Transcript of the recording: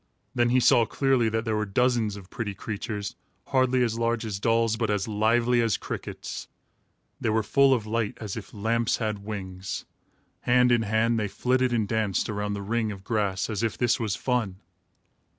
Then he saw clearly that there were dozens of pretty creatures, hardly as large as dolls, but as lively as crickets. They were as full of light, as if lamps had wings. Hand in hand, they flitted and danced around the ring of grass, as if this was fun.